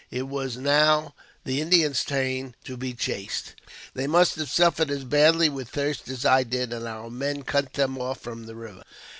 It was now the Indians' turn to be chased. They must have suffered as badly with thirst as I did, and our men cut them off from the river.